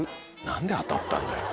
何で当たったんだよ。